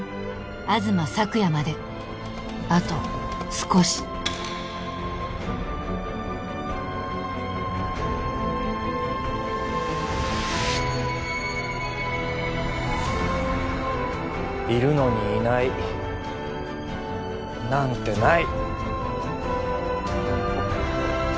東サクヤまであと少しいるのにいないなんてない！